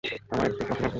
আমার একটা কফি লাগবে।